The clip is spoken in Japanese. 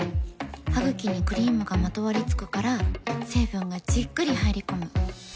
ハグキにクリームがまとわりつくから成分がじっくり入り込む。